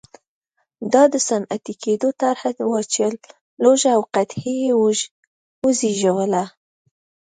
دا د صنعتي کېدو طرحه وه چې لوږه او قحطي یې وزېږوله.